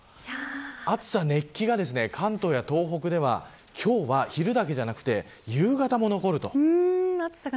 暑さ、熱気が関東や東北では今日は昼だけではなくて夕方も残ると。